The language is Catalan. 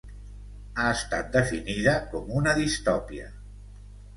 Ha estat definida com una distopia.